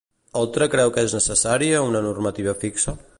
Oltra creu que és necessària una normativa fixa?